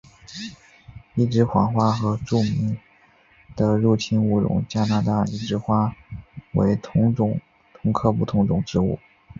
一枝黄花和著名的入侵物种加拿大一枝黄花为同科不同种植物。